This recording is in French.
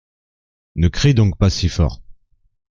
Ne crie donc pas si fort !